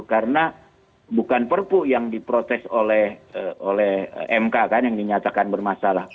karena bukan perpu yang diprotes oleh mk kan yang dinyatakan bermasalah